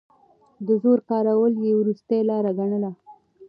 د زور کارول يې وروستۍ لاره ګڼله.